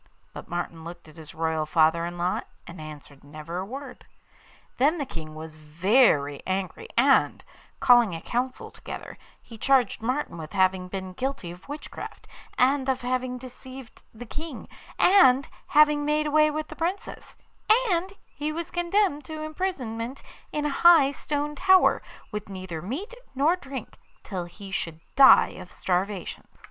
But Martin looked at his royal father in law, and answered never a word. Then the King was very angry, and, calling a council together, he charged Martin with having been guilty of witchcraft, and of having deceived the King, and having made away with the Princess; and he was condemned to imprisonment in a high stone tower, with neither meat nor drink, till he should die of starvation.